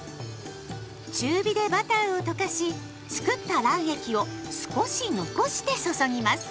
中火でバターを溶かし作った卵液を少し残して注ぎます。